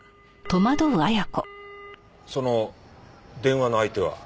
その電話の相手は？